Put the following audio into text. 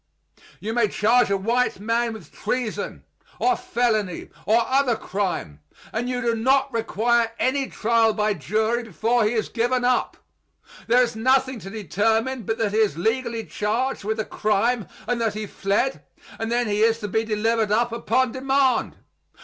You may charge a white man with treason, or felony, or other crime, and you do not require any trial by jury before he is given up; there is nothing to determine but that he is legally charged with a crime and that he fled, and then he is to be delivered up upon demand.